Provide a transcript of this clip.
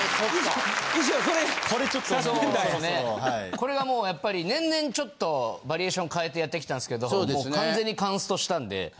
これがもうやっぱり年々ちょっとバリエーション変えてやってきたんすけどもう完全にカンストしたんで。